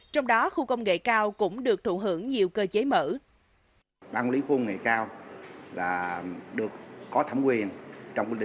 trong đó khu công nghệ cao cũng được thụ hưởng nhiều cơ chế mở